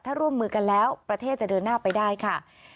ถ้าร่วมมือกันแล้วประเทศจะเดินหน้าไปได้ค่ะ